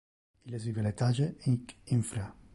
Illes vive al etage hic infra.